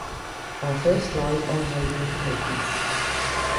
Our first live on radio performance.